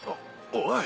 おい。